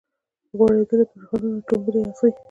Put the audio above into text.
په غوړیدولو پرهرونو کي ټومبلي اغزي